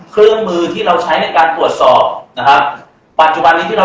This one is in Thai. ผมใช้หลักยุคชาติการผมใช้เครื่องมือนะครับ